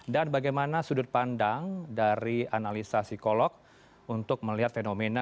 dan bagaimana sudut pandang dari analisa psikolog untuk melihat fenomena